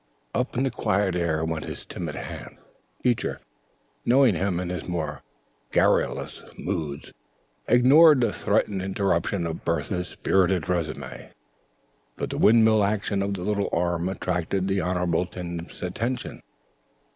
Up into the quiet air went his timid hand. Teacher, knowing him in his more garrulous moods, ignored the threatened interruption of Bertha's spirited résumé, but the windmill action of the little arm attracted the Honorable Tim's attention.